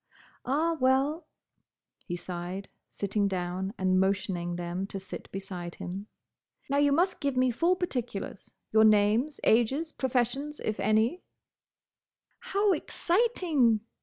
"Ah, well!" he sighed, sitting down and motioning them to sit beside him. "Now you must give me full particulars: your names, ages, professions, if any—" "How exciting!"